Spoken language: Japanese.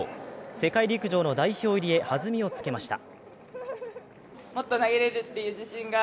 世界陸上の代表入りへ弾みをつけました。